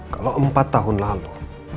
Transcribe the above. kalau empat tahun lalu